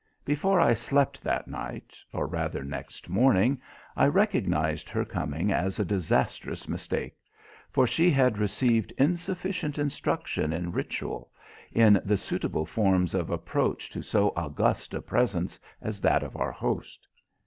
Before I slept that night, or rather next morning, I recognized her coming as a disastrous mistake. For she had received insufficient instruction in ritual, in the suitable forms of approach to so august a presence as that of our host.